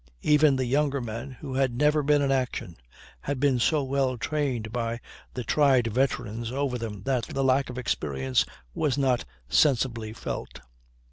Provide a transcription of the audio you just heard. Even the younger men, who had never been in action, had been so well trained by the tried veterans over them that the lack of experience was not sensibly felt.